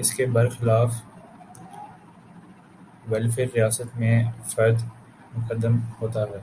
اس کے برخلاف ویلفیئر ریاست میں فرد مقدم ہوتا ہے۔